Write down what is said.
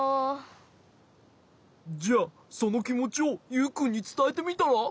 じゃあそのきもちをユウくんにつたえてみたら？